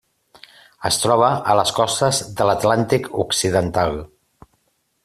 Es troba a les costes de l'Atlàntic Occidental.